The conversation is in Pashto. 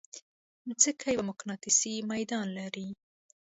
مځکه یو مقناطیسي ميدان لري.